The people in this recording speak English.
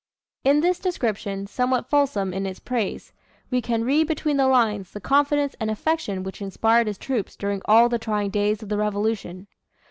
In this description, somewhat fulsome in its praise, we can read between the lines the confidence and affection which inspired his troops during all the trying days of the Revolution.